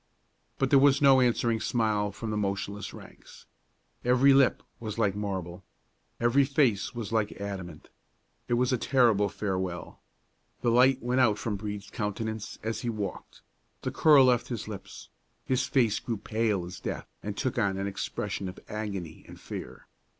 But there was no answering smile from the motionless ranks. Every lip was like marble; every face was like adamant. It was a terrible farewell. The light went out from Brede's countenance as he walked; the curl left his lips; his face grew pale as death, and took on an expression of agony and fear.